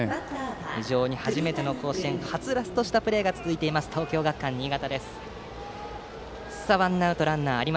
非常に初めての甲子園はつらつとしたプレーが続いている東京学館新潟。